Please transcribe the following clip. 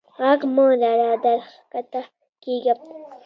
ږغ مه لره در کښته کیږم.